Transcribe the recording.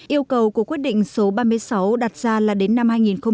yêu cầu của quyết định số ba mươi sáu đạt ra là đến năm hai nghìn hai mươi năm